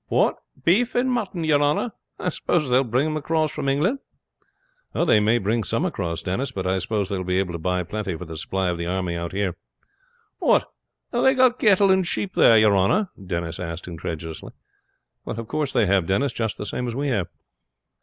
"What! beef and mutton, your honor? I suppose they will bring them across from England?" "They may bring some across, Denis; but I suppose they will be able to buy plenty for the supply of the army out there." "What! have they got cattle and sheep there, your honor?" Denis asked incredulously. "Of course they have, Denis; just the same as we have."